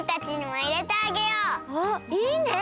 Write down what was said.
あいいね！